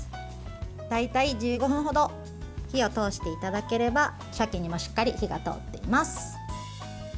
大体１５分程火を通していただければさけにもしっかり火が通っています。